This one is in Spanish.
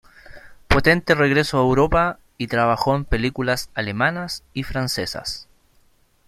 Potente regresó a Europa y trabajó en películas alemanas y francesas.